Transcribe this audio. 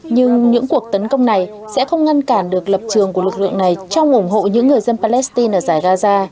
nhưng những cuộc tấn công này sẽ không ngăn cản được lập trường của lực lượng này trong ủng hộ những người dân palestine ở giải gaza